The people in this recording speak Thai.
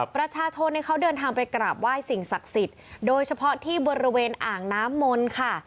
ประชาชนเขาเดินทางไปกราบไหว้สิ่งศักดิ์สิทธิ์โดยเฉพาะที่บริเวณอ่างน้ำมนต์ค่ะ